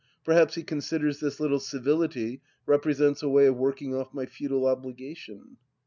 Perhaps he considers this little civility represents a way of working off my feudal obligation